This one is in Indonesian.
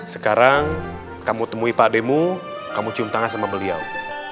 sekarang kamu temui pakdemu kamu cium tangan sama beliau